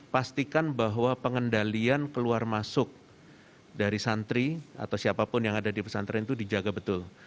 pastikan bahwa pengendalian keluar masuk dari santri atau siapapun yang ada di pesantren itu dijaga betul